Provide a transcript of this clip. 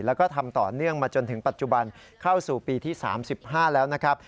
แล้วก็ทำต่อเนื่องมาจนถึงปัจจุบันเข้าสู่ปีที่๓๕แล้วนะครับ